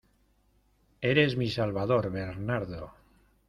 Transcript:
¡Eres mi salvador, Bernardo!